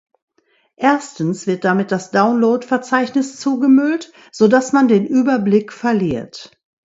Erstens wird damit das Download-Verzeichnis zugemüllt, so dass man den Überblick verliert.